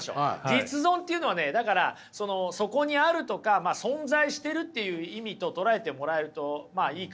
実存っていうのはねだからその「そこにある」とか「存在してる」という意味と捉えてもらえるとまあいいかもしれません。